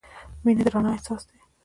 • مینه د رڼا احساس دی.